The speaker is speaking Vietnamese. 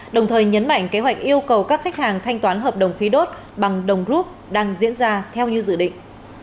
đồng thời nhấn mạnh kế hoạch yêu cầu các khách hàng thanh toán hợp đồng khí đốt bằng đồng rút đang diễn ra theo như dự định